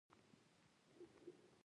نور به څه نه کووم.